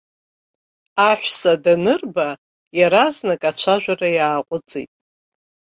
Аҳәса данырба иаразнак ацәажәара иааҟәыҵит.